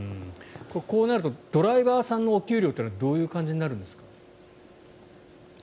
こうなるとドライバーさんのお給料っていうのはどういう感じになるんですか？